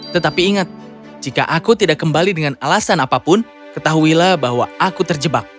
tetapi ingat jika aku tidak kembali dengan alasan apapun ketahuilah bahwa aku terjebak